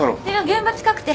現場近くて。